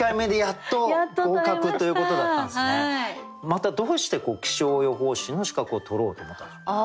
またどうして気象予報士の資格を取ろうと思ったんでしょうか？